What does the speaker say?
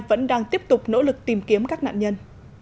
vẫn đang tiếp tục nỗ lực tìm kiếm các nạn nhân